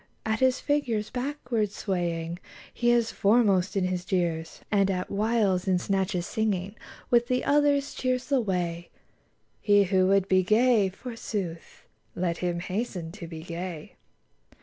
At his figure's backward swaying He is foremost in his jeers ; And at whiles, in snatches singing With the others, cheers the way : He who would be gay, forsooth. Let him hasten to be gay.